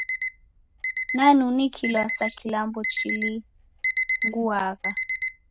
Nanukilwa sa kilambo chilinguagha.